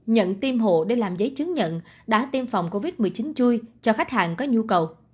nhận tiêm hộ để làm giấy chứng nhận đã tiêm phòng covid một mươi chín chui cho khách hàng có nhu cầu